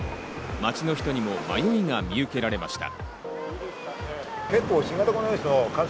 街の人にも迷いが見受けられました。